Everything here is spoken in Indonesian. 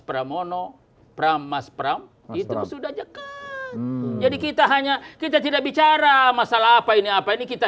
pramono pramas pram itu sudah dekat jadi kita hanya kita tidak bicara masalah apa ini apa ini kita